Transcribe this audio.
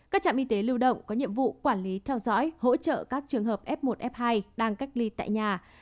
các trạm y tế lưu động có nhiệm vụ quản lý theo dõi hỗ trợ các trường hợp f một f hai đang cách ly tại nhà